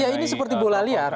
ini seperti bola liar